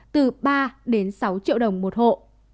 từ ba đến sáu triệu đồng một hộ